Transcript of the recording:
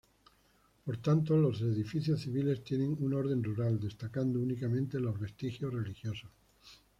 Por tanto los edificios civiles tienen un orden rural, destacando únicamente los vestigios religiosos.